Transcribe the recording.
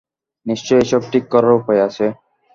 নিশ্চয়ই এসব ঠিক করার উপায় আছে!